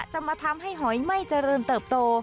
จะมาทำให้หอยไม่เจริญเติบโต